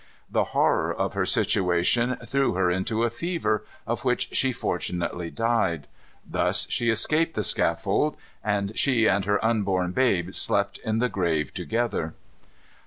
The horror of her situation threw her into a fever, of which she fortunately died. Thus she escaped the scaffold: and she and her unborn babe slept in the grave together.